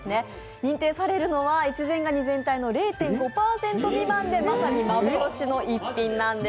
認定されるのは、越前がに全体の０．５％未満でまさに幻の逸品なんです。